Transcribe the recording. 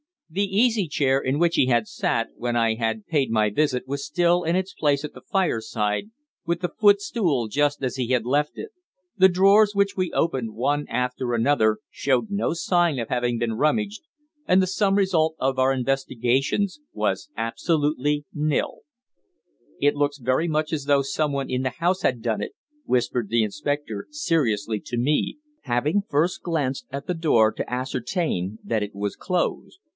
The easy chair in which he had sat when I had paid my visit was still in its place at the fireside, with the footstool just as he had left it; the drawers which we opened one after another showed no sign of having been rummaged, and the sum result of our investigations was absolutely nil. "It looks very much as though someone in the house had done it," whispered the inspector seriously to me, having first glanced at the door to ascertain that it was closed.